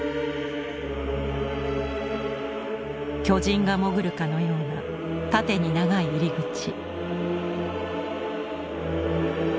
巨人が潜るかのような縦に長い入り口。